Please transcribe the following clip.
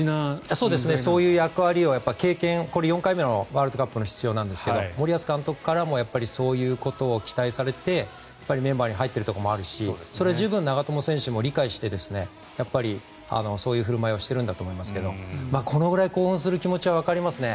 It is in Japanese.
そういう役割を、これ４回目のワールドカップの出場なんですけど森保監督からもそういうことを期待されてメンバーに入っているところもあるしそれは十分、長友選手も理解してそういう振る舞いをしているんだと思いますがこれくらい興奮する気持ちはわかりますね。